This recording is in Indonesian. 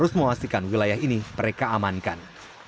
sedangkan wilayah ini mereka amankan